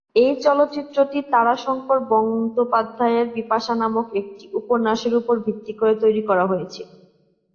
এই চলচ্চিত্রটি তারাশঙ্কর বন্দ্যোপাধ্যায় এর "বিপাশা" নামক একটি উপন্যাসের উপর ভিত্তি করে তৈরি করা হয়েছিল।